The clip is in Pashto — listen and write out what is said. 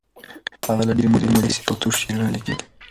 هغه له ډېرې مودې راهیسې پښتو شعرونه لیکي.